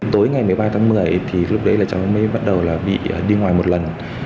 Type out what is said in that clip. tối ngày một mươi ba tháng một mươi thì lúc đấy là cháu mới bắt đầu là bị đi ngoài một lần